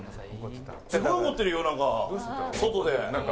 すごい怒ってるよなんか。